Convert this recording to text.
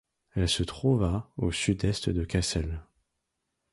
Elle se trouve à au sud-est de Cassel.